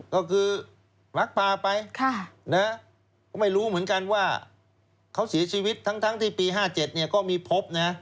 ก็คือลักพาไปก็ไม่รู้เหมือนกันว่าเขาเสียชีวิตทั้งที่ปี๕๗ก็มีพบนะ